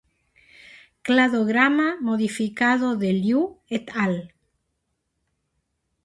Cladograma modificado de Liu "et al.